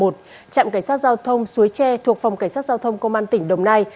trạm cảnh sát giao thông suối tre thuộc phòng cảnh sát giao thông công an tỉnh đồng nai